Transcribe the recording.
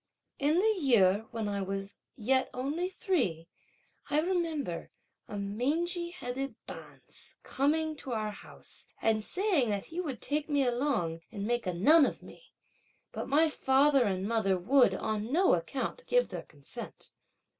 In the year when I was yet only three, I remember a mangy headed bonze coming to our house, and saying that he would take me along, and make a nun of me; but my father and mother would, on no account, give their consent.